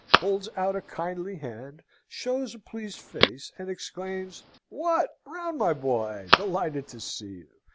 holds out a kindly hand, shows a pleased face, and exclaims, "What, Brown my boy, delighted to see you!